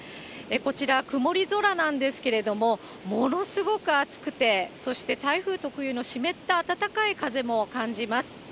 こちら、曇り空なんですけれども、ものすごく暑くて、そして台風特有の湿った暖かい風も感じます。